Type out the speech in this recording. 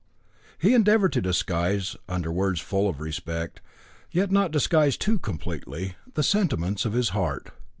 He endeavoured to disguise under words full of respect, yet not disguise too completely, the sentiments of his heart.